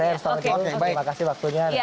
saya harus pamit dulu terima kasih waktunya